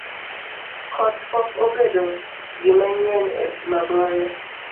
Kech pok obedo gimanyien e Mabonde.